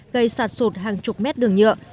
gây sạt sụt hàng chục mét đường nhựa